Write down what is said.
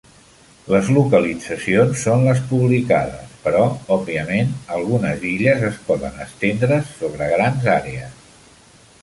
Les localitzacions són les publicades, però òbviament algunes illes es poden estendre's sobre grans àrees.